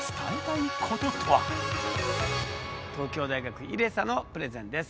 東京大学ＩＲＥＳＡのプレゼンです。